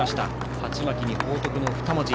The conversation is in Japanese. はちまきに、報徳の２文字。